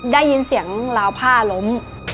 ได้ยินเสียงราวผ้าล้ม